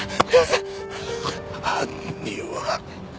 犯人は。